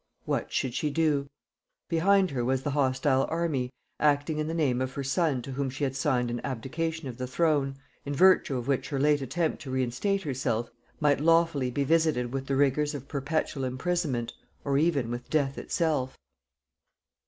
What should she do? Behind her was the hostile army, acting in the name of her son to whom she had signed an abdication of the throne, in virtue of which her late attempt to reinstate herself might lawfully be visited with the rigors of perpetual imprisonment, or even with death itself.